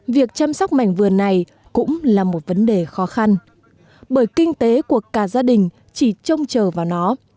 việc chăm sóc mảnh vườn này cũng là một vấn đề khó khăn bởi kinh tế của cả gia đình chỉ trông chờ vào nó